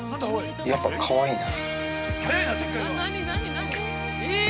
やっぱかわいいな。